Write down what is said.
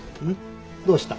どうした？